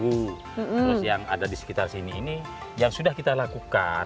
terus yang ada di sekitar sini ini yang sudah kita lakukan